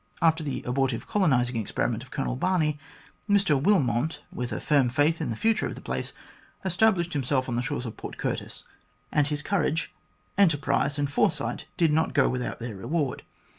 After the abortive colonising experi ment of Colonel Barney, Mr Willmott, with a firm faith in the future of the place, established himself on the shores of Port Curtis, and his courage, enterprise, and foresight did not go without their reward.